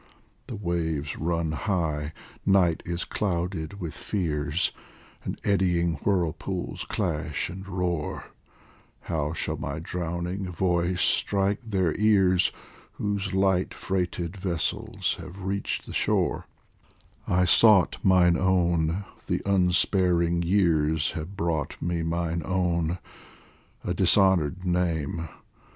" The waves run high, night is clouded with fears, And eddying whirlpools clash and roar; How shall my drowning voice strike their ears Whose light freighted vessels have reached the shore ? 67 POEMS FROM THE I sought mine own ; the unsparing years Have brought me mine own, a dishonoured name.